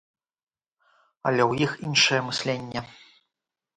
Але ў іх іншае мысленне.